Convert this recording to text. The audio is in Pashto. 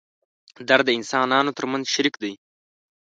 درد د انسانانو تر منځ شریک دی.